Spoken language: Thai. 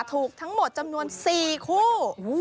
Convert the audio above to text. ถูกทั้งหมดจำนวน๔คู่